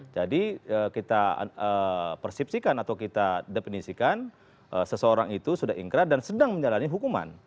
jadi kita persepsikan atau kita definisikan seseorang itu sudah inkrah dan sedang menjalani hukuman